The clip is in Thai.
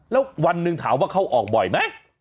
แล้ววันหนึ่งถามว่าเข้าออกบ่อยไหม